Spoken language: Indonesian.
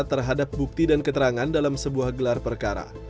terhadap bukti dan keterangan dalam sebuah gelar perkara